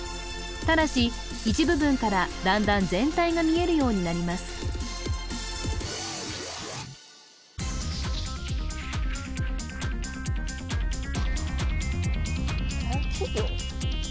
ただし一部分からだんだん全体が見えるようになります・えっ企業？